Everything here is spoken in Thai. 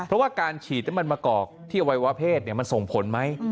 เพราะว่าการฉีดน้ำมันมะกอกที่อวัยวะเพศมันส่งผลไหม